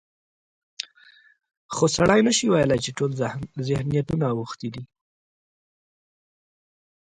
خو سړی نشي ویلی چې ټول ذهنیتونه اوښتي دي.